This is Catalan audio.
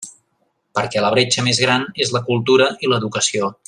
Perquè la bretxa més gran és la cultura i l'educació.